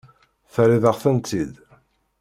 Terriḍ-aɣ-tent-id.